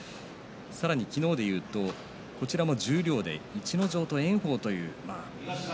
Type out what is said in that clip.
さらに昨日でいうとこちらも十両で逸ノ城と炎鵬という。